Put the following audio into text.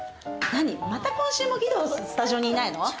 また今週も義堂、スタジオにいないの？